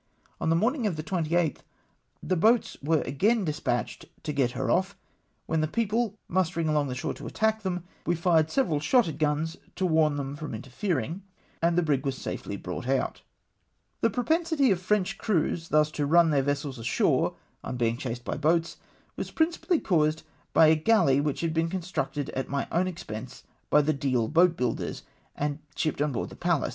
On the morning of the 28th, the boats were again despatched to get her off, when, the people mustering along shore to attack them, we fired several shotted guns to warn them from interfering, and the brig was safely brought out. This propensity of French crews thus to run theu" vessels ashore — on bemg chased by boats — was princi pally caused by a galley which had been constructed at my o^vn expense by the Deal boatbuilders, and shipped on board the Pallas.